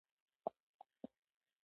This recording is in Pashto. آیا نویو کډوالو ځمکې ابادې نه کړې؟